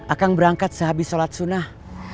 akan berangkat sehabis sholat sunnah